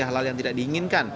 halal yang tidak diinginkan